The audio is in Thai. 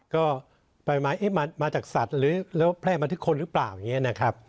ก็ปลายมาจากสัตว์แล้วแพร่มาทุกคนหรือเปล่าอย่างนี้นะครับ